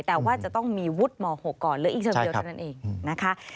แต่ว่าจะต้องมีวุฒิม๖ก่อนเหลืออีกเชิงเดียวเท่านั้นเองนะคะ